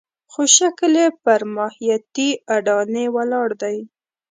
خو شکل یې پر ماهیتي اډانې ولاړ دی.